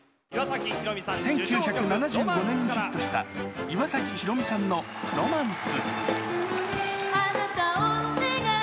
１９７４年にヒットした岩崎宏美さんのロマンス。